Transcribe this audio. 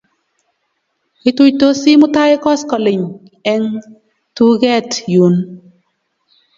Kituitosi mutai koskoling' eng' tuget yun